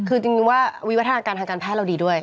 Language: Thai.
คือจริงว่าวิวัฒนาการทางการแพทย์เราดีด้วย